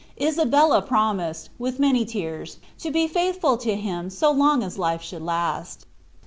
Isabella promised, with many tears, to be faithful to him so long as life should last.